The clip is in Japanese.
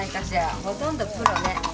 ほとんどプロね。